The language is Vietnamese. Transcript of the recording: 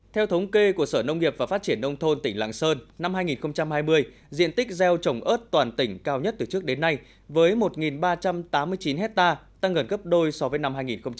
theo thống kê của sở nông nghiệp và phát triển nông thôn tỉnh lạng sơn năm hai nghìn hai mươi diện tích gieo trồng ớt toàn tỉnh cao nhất từ trước đến nay với một ba trăm tám mươi chín hectare tăng gần gấp đôi so với năm hai nghìn một mươi chín